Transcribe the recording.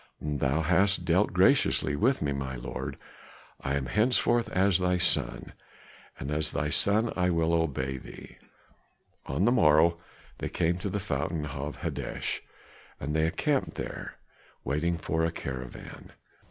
"Thou hast dealt graciously with me, my lord, I am henceforth as thy son, and as thy son will I obey thee." On the morrow they came to the fountain of Hodesh, and they encamped there, waiting for a caravan.